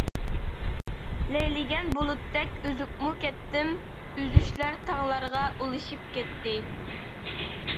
لەيلىگەن بۇلۇتتەك ئۈزۈپمۇ كەتتىم، ئۈزۈشلەر تاڭلارغا ئۇلىشىپ كەتتى.